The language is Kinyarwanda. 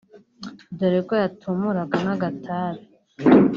dore ko yatumuraga n’agatabi